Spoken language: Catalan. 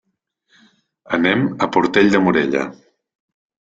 Anem a Portell de Morella.